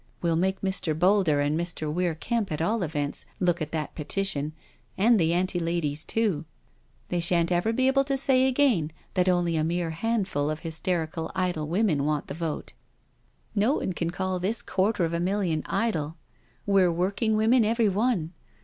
We'll make Mr. Boulder and Mr. Weir Kemp at all events look at that Petition, and the Anti ladies too— they shan't ever be able to say again, that only a mere handful of hysterical, idle women want the vote.*' *' Well, no one can call this quarter of a million idle — ^we're working women every one.